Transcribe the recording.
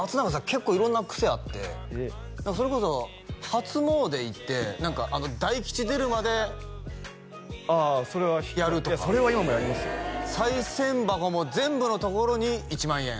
結構色んな癖あってそれこそ初詣行って何か大吉出るまでああそれはやるとかそれは今もやりますよさい銭箱も全部のところに１万円